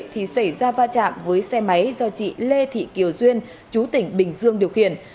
thì xảy ra va chạm với xe máy do chị lê thị kiều duyên chú tỉnh bình dương điều khiển